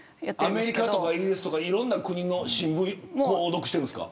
アメリカ、イギリスとかの新聞、購読してるんですか。